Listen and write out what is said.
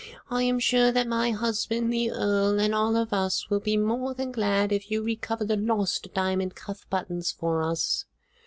I am sure that my husband the Earl and all of us will be more than glad if you recover the lost diamond cuff buttons for us."